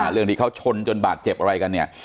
เรื่องที่เขาชนจนบาดเจ็บอะไรกันเนี่ย